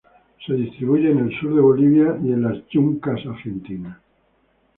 Se distribuye en el sur de Bolivia y en las yungas argentinas.